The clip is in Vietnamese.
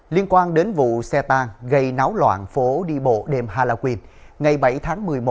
liên quan đến vụ xe tan gây náo loạn phố đi bộ đêm halloween ngày bảy tháng một mươi một